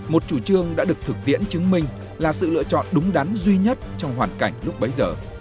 một chủ trương đã được thực tiễn chứng minh là sự lựa chọn đúng đắn duy nhất trong hoàn cảnh lúc bấy giờ